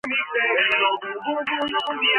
არხის მაუწყებლობის ზონაა სომხეთი.